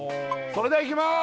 それではいきまーす！